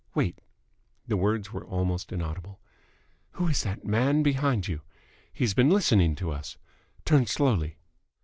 Wait." The words were almost inaudible. "Who is that man behind you? He has been listening to us. Turn slowly."